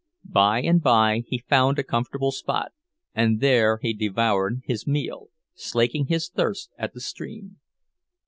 By and by he found a comfortable spot, and there he devoured his meal, slaking his thirst at the stream.